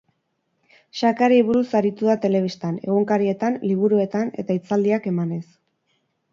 Xakeari buruz aritu da telebistan, egunkarietan, liburuetan, eta hitzaldiak emanez.